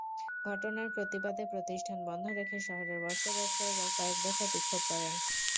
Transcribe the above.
ঘটনার প্রতিবাদে প্রতিষ্ঠান বন্ধ রেখে শহরের বস্ত্র ব্যবসায়ীরা কয়েক দফা বিক্ষোভ করেন।